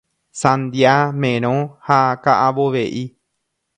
Sandia, merõ ha ka'avove'i